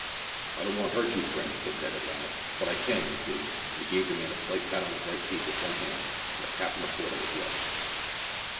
"I don't want to hurt you, friend," said Ned at last, "but I can, you see!" and he gave the man a slight pat on his right cheek with one hand and a tap on the forehead with the other.